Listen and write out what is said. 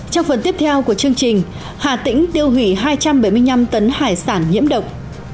trong phần tiếp theo của chương trình hà tĩnh tiêu hủy hai trăm bảy mươi năm tấn hải sản nhiễm độc